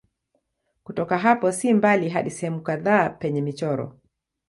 Kutoka hapo si mbali hadi sehemu kadhaa penye michoro.